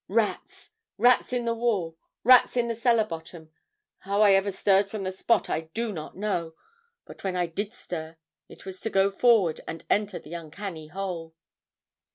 Rats! rats in the wall! rats on the cellar bottom! How I ever stirred from the spot I do not know, but when I did stir, it was to go forward, and enter the uncanny hole.